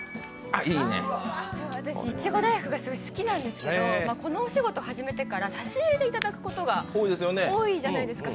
私、いちご大福が好きなんですけどこのお仕事、始めてから差し入れでいただくことが多いじゃないですか。